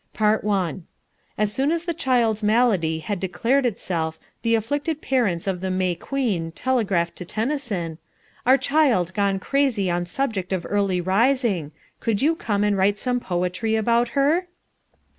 PART I As soon as the child's malady had declared itself the afflicted parents of the May Queen telegraphed to Tennyson, "Our child gone crazy on subject of early rising, could you come and write some poetry about her?"